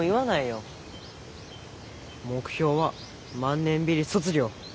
目標は万年ビリ卒業。